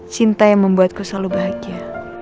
cinta yang membuatku selalu bahagia